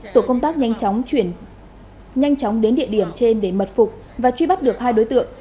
tổ công tác nhanh chóng đến địa điểm trên để mật phục và truy bắt được hai đối tượng